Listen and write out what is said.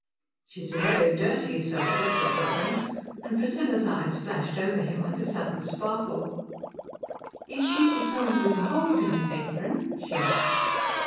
"She's a very dirty soul," said Robin; and Priscilla's eyes flashed over him with a sudden sparkle. "Is she the soul with the holes in its apron?" she asked.